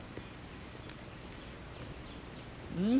うん。